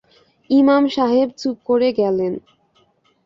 ইমাম সাহের চুপ করে গেলেন।